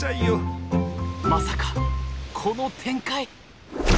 まさかこの展開！